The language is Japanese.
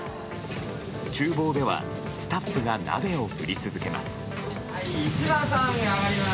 厨房ではスタッフが鍋を振り続けます。